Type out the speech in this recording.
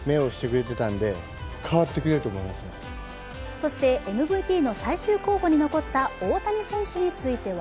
そしてＭＶＰの最終候補に残った大谷選手については